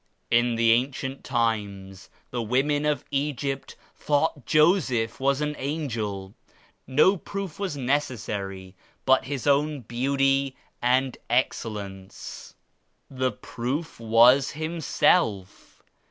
In the ancient times the women of Egypt thought Joseph was an angel. No proof was necessary but his own beauty and excellence. The proof was himself.